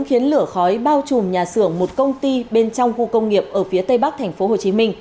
khiến lửa khói bao trùm nhà xưởng một công ty bên trong khu công nghiệp ở phía tây bắc tp hcm